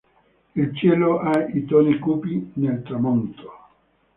Il cielo ha i toni cupi del tramonto.